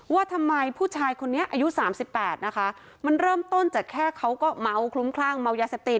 ว่าทำไมผู้ชายคนนี้อายุสามสิบแปดนะคะมันเริ่มต้นจากแค่เขาก็เมาคลุ้มคลั่งเมายาเสพติด